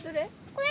これ！